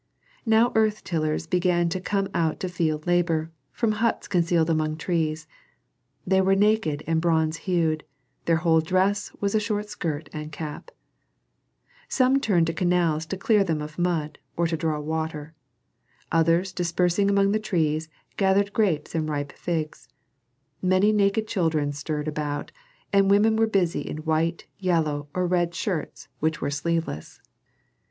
Now earth tillers began to come out to field labor, from huts concealed among trees; they were naked and bronze hued; their whole dress was a short skirt and a cap. Some turned to canals to clear them of mud, or to draw water. Others dispersing among the trees gathered grapes and ripe figs. Many naked children stirred about, and women were busy in white, yellow, or red shirts which were sleeveless.